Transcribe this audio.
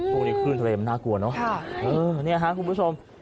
ตรงนี้คลื่นทะเลมันน่ากลัวเนอะคุณผู้ชม